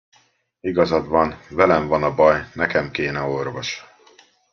Igazad van, velem van a baj, nekem kéne orvos.